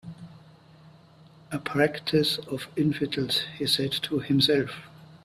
"A practice of infidels," he said to himself.